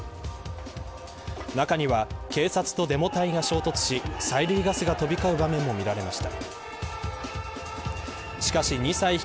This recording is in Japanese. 中には、警察とデモ隊が衝突し催涙ガスが飛び交う場面も見られました。